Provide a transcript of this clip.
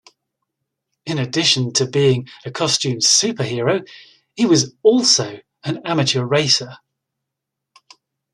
In addition to being a costumed superhero, he was also an amateur racer.